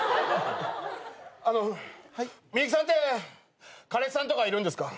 あのミユキさんって彼氏さんとかいるんですか？